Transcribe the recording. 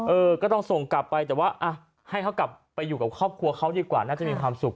เออก็ต้องส่งกลับไปแต่ว่าให้เขากลับไปอยู่กับครอบครัวเขาดีกว่าน่าจะมีความสุข